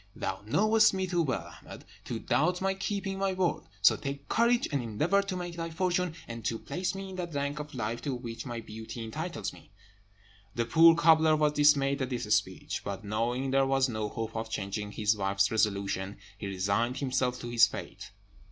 Thou knowest me too well, Ahmed, to doubt my keeping my word. So take courage, and endeavour to make thy fortune, and to place me in that rank of life to which my beauty entitles me." The poor cobbler was dismayed at this speech; but knowing there was no hope of changing his wife's resolution, he resigned himself to his fate.